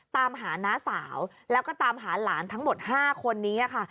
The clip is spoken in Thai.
ตามหาน้าสาวแล้วก็ตามหาหลานทั้งหมด๕คนนี้ค่ะ